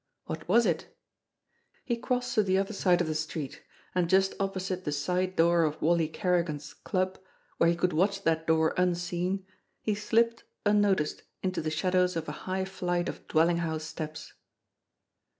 What was it? He crossed to the other side of the street, and just opposite the side door of Wally Kerrigan's "club," where he could watch that door unseen, he slipped, unnoticed, into the shadows of a high flight of dwelling house steps.